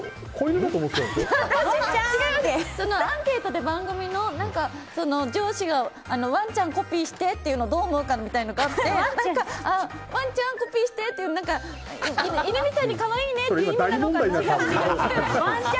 番組のアンケートで上司がワンチャンコピーしてって言うのをどう思うかっていうのがあってワンちゃんコピーしてって犬みたいに可愛いねって。